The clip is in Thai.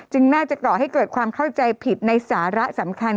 น่าจะก่อให้เกิดความเข้าใจผิดในสาระสำคัญ